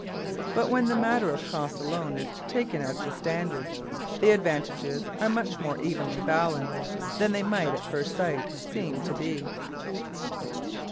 But when the matter of cost alone is taken as the standard, the advantages are much more evenly balanced than they might at first sight seem to be.